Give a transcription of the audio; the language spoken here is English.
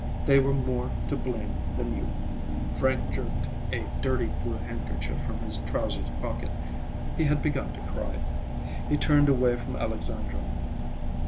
They were more to blame than you." Frank jerked a dirty blue handkerchief from his trousers pocket. He had begun to cry. He turned away from Alexandra.